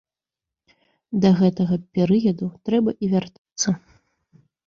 Да гэтага перыяду трэба і вяртацца.